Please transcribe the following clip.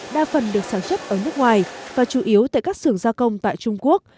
đa phần được sản xuất ở nước ngoài và chủ yếu tại các xưởng gia công tại trung quốc